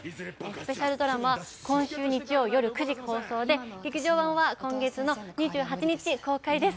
スペシャルドラマは今週日曜９時放送で劇場版は今月の２８日公開です。